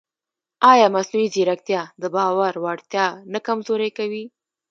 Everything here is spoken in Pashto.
ایا مصنوعي ځیرکتیا د باور وړتیا نه کمزورې کوي؟